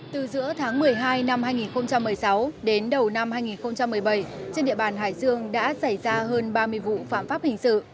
từ giữa tháng một mươi hai năm hai nghìn một mươi sáu đến đầu năm hai nghìn một mươi bảy trên địa bàn hải dương đã xảy ra hơn ba mươi vụ phạm pháp hình sự